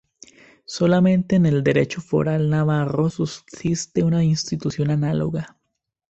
Solamente en el derecho foral navarro subsiste una institución análoga.